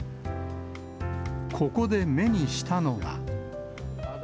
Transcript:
ここで目にしたのが。